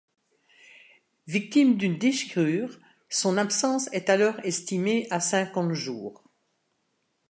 Victime d'une déchirure, son absence est alors estimée à cinquante jours.